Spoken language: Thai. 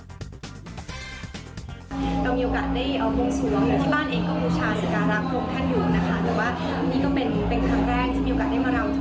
เรามีโอกาสได้เอากรงสวงที่บ้านเองกับผู้ชายสการักษ์โครงครรภ์อยู่นะคะ